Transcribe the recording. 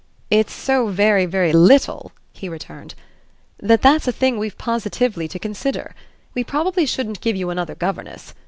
"It's so very very little," he returned, "that that's a thing we've positively to consider. We probably shouldn't give you another governess.